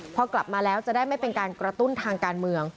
พอกลับมาแล้วจะได้ไม่เป็นการกระตุ้นทางการเมือง